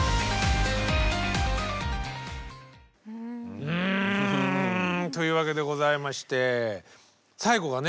うんというわけでございまして最後がね